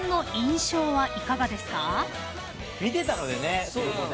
見てたのでね。